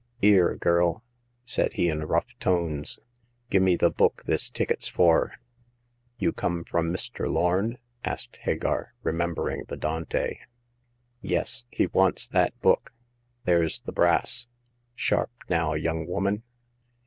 "'Ere, girl," said he in rough tones, "gimme the book this ticket's for." You come from Mr. Lorn ?" asked Hagar, remembering the Dante. " Yes ; he wants that book. There's the brass. Sharp, now, young woman